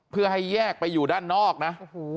เพื่อให้แยกไปอยู่ด้านนอกนะ